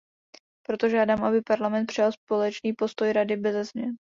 Proto žádám, aby Parlament přijal společný postoj Rady beze změn.